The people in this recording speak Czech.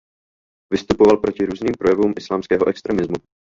Vystupoval proti různým projevům islámského extremismu.